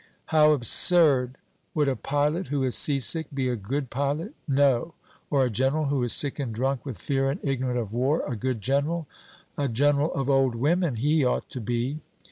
'How absurd!' Would a pilot who is sea sick be a good pilot? 'No.' Or a general who is sick and drunk with fear and ignorant of war a good general? 'A general of old women he ought to be.'